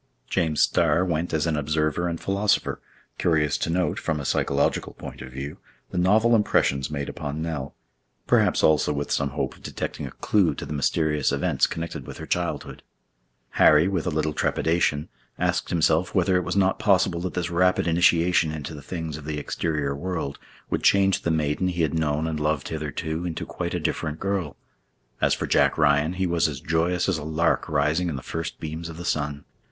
James Starr went as an observer and philosopher, curious to note, from a psychological point of view, the novel impressions made upon Nell; perhaps also with some hope of detecting a clue to the mysterious events connected with her childhood. Harry, with a little trepidation, asked himself whether it was not possible that this rapid initiation into the things of the exterior world would change the maiden he had known and loved hitherto into quite a different girl. As for Jack Ryan, he was as joyous as a lark rising in the first beams of the sun.